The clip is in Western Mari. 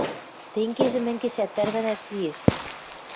Тенгежӹ мӹнгешӓт тӓрвӓнӓш лиэш.